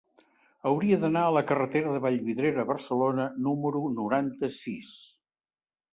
Hauria d'anar a la carretera de Vallvidrera a Barcelona número noranta-sis.